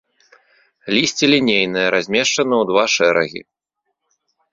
Лісце лінейнае, размешчана ў два шэрагі.